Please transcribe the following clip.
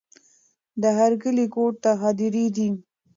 د هر کلي ګوټ ته هدېرې دي.